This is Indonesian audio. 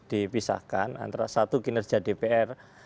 dipisahkan antara satu kinerja dpr